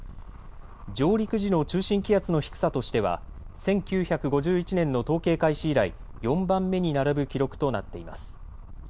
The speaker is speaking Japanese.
上陸時の中心気圧の低さとしては１９５１年の統計開始以来４番目に並ぶ記録となっています。